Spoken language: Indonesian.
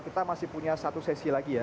kita masih punya satu sesi lagi ya